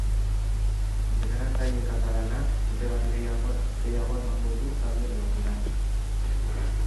Entrenatzaile katalanak urte bat gehiago emango du talde blaugranan.